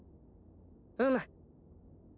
うむ。